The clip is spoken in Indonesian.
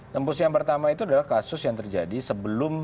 tembus yang pertama itu adalah kasus yang terjadi sebelum